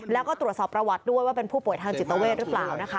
แล้วก็ตรวจสอบประวัติด้วยว่าเป็นผู้ป่วยทางจิตเวทหรือเปล่านะคะ